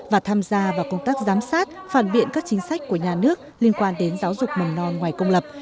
và tham gia vào công tác giám sát phản biện các chính sách của nhà nước liên quan đến giáo dục mầm non ngoài công lập